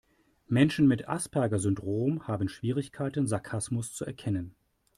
Menschen mit Asperger-Syndrom haben Schwierigkeiten, Sarkasmus zu erkennen.